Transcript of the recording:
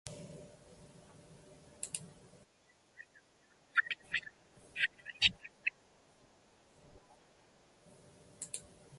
It is like a morality play, from which we learn how journalists should behave.